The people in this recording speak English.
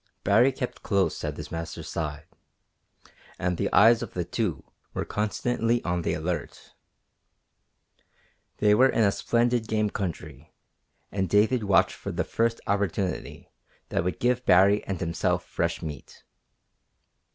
Baree kept close at his master's side, and the eyes of the two were constantly on the alert. They were in a splendid game country, and David watched for the first opportunity that would give Baree and himself fresh meat.